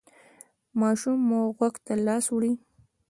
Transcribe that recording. ماشوم مو غوږ ته لاس وړي؟